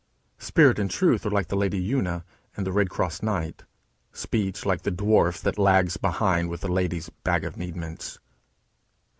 Spirit and Truth are like the Lady Una and the Red Cross Knight; Speech like the dwarf that lags behind with the lady's "bag of needments."